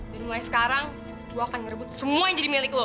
dan mulai sekarang gue akan ngerebut semua yang jadi milik lu